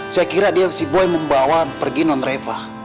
saya kira dia si boy membawa pergi non refah